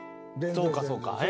そうかそうか。